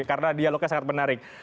karena dialognya sangat menarik